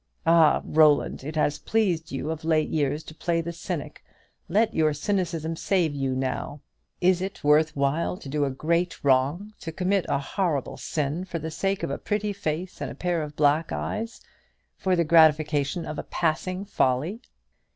Ah, Roland, it has pleased you of late years to play the cynic. Let your cynicism save you now. Is it worth while to do a great wrong, to commit a terrible sin, for the sake of a pretty face and a pair of black eyes for the gratification of a passing folly?"